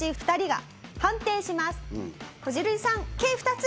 こじるりさんＫ２つ！